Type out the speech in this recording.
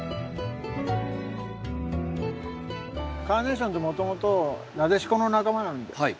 カーネーションってもともとナデシコの仲間なんです。